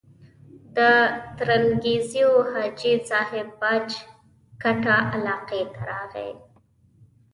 د ترنګزیو حاجي صاحب باج کټه علاقې ته راغی.